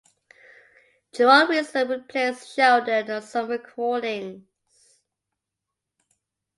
Gerald Wilson replaced Sheldon on some recordings.